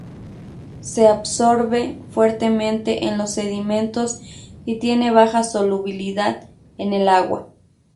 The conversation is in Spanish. Se absorbe fuertemente en los sedimentos y tiene baja solubilidad en el agua.